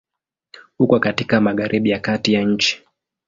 Uko katika Magharibi ya kati ya nchi.